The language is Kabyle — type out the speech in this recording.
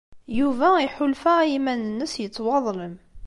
Yuba iḥulfa i yiman-nnes yettwaḍlem.